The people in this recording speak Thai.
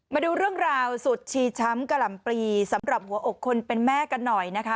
มาดูเรื่องราวสุดชีช้ำกะหล่ำปลีสำหรับหัวอกคนเป็นแม่กันหน่อยนะคะ